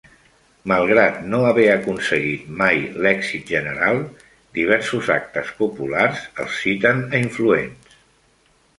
Malgrat no haver aconseguit mai l'èxit general, diversos actes populars els citen a influents.